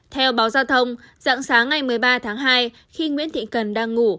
theo báo giao thông dạng sáng ngày một mươi ba tháng hai khi nguyễn thị cần đang ngủ